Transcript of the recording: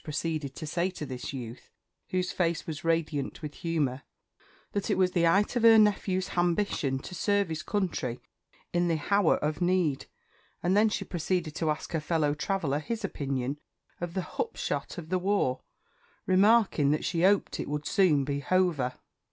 proceeded to say to this youth, whose face was radiant with humour, that it was the 'ight of her nephew's _h_ambition to serve his country in the _h_our of need; and then she proceeded to ask her fellow traveller his opinion, of the _h_upshot of the war remarking that she 'oped it would soon be _h_over!